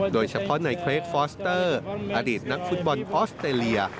โดยเฉพาะในเครกฟอสเตอร์อดีตนักฟุตบอลออสเตรเลีย